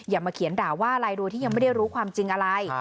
อย่ามาเขียนด่าว่าอะไรโดยที่ยังไม่ได้รู้ความจริงอะไร